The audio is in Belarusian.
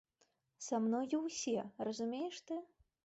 Са мною ўсе, разумееш ты?